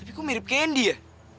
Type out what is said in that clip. tapi kok mirip kendi ya